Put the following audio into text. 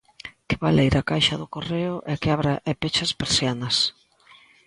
Que baleire a caixa do correo e que abra e peche as persianas.